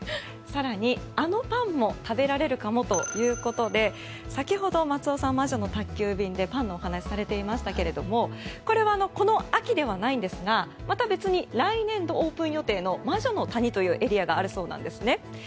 更にあのパンも食べられるかもということで先ほど松尾さんが「魔女の宅急便」でパンのお話をされていましたがこれはこの秋ではないんですがまた別に来年度オープン予定の魔女の谷というエリアがあるそうなんですね。